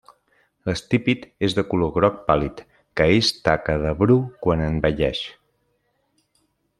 L'estípit és de color groc pàl·lid, que és taca de bru quan envelleix.